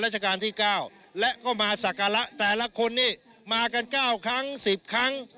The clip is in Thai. สะกาละแต่ละคนนี้มากันแก้วครั้งสิบครั้ง